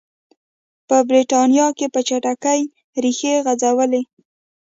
په برېټانیا کې په چټکۍ ریښې غځولې.